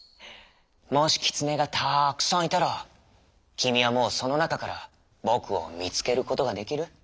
「もしキツネがたくさんいたらきみはもうそのなかから『ぼく』をみつけることができる？」。